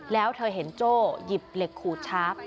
แล้วเธอเห็นโจ้หยิบเหล็กขูดชาร์ฟ